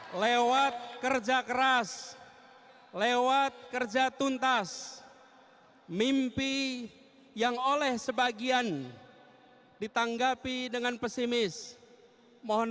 hai lewat kerja keras lewat kerja tuntas mimpi yang oleh sebagian ditanggapi dengan pesimis mohon